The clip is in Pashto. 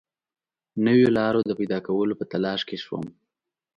نویو لارو د پیدا کولو په تلاښ کې شوم.